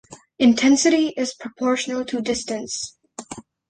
Intensity is proportional to distance.